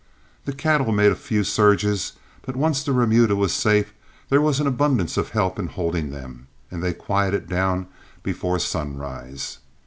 The cattle made a few surges, but once the remuda was safe, there was an abundance of help in holding them, and they quieted down before sunrise.